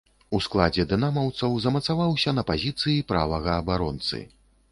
У складзе дынамаўцаў замацаваўся на пазіцыі правага абаронцы.